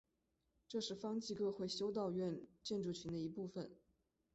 这是方济各会修道院建筑群的一部分。